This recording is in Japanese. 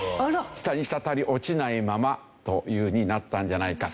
下に滴り落ちないままというふうになったんじゃないかと。